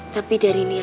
tapi dari niatnya